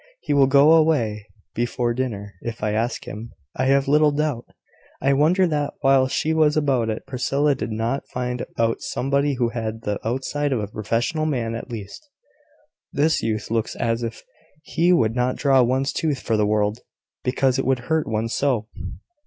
He will go away before dinner, if I ask him, I have little doubt. I wonder that, while she was about it, Priscilla did not find out somebody who had the outside of a professional man at least. This youth looks as if he would not draw one's tooth for the world, because it would hurt one so!